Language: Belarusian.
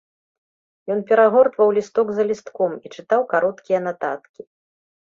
Ён перагортваў лісток за лістком і чытаў кароткія нататкі.